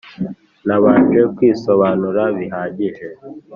nabanje kwisobanura bihagije